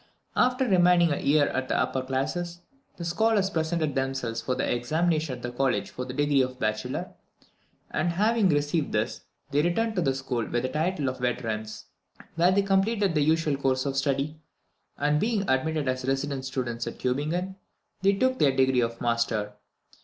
After remaining a year at the upper classes, the scholars presented themselves for examination at the College for the degree of Bachelor; and having received this, they returned to the school with the title of Veterans. Here they completed the usual course of study; and being admitted as resident students at Tubingen, they took their degree of Master.